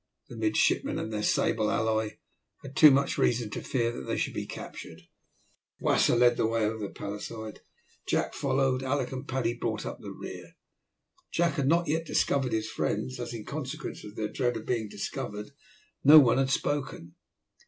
The midshipmen and their sable ally had too much reason to fear that they should be captured. Wasser led the way over the palisade, Jack followed, Alick and Paddy brought up the rear. Jack had not yet discovered his friends, as in consequence of their dread of being discovered no one had spoken.